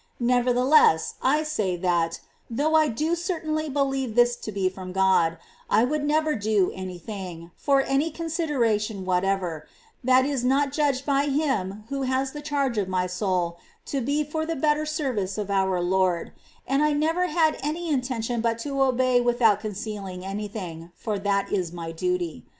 Nevertheless, I say that, though I do certainly believe this to be from God, I would never do any thing, for any consideration whatever, that is not judged by him who has the charge of my soul to be for the better service of our Lord, and I never had any intention but to obey without concealing any thing, for that is my duty.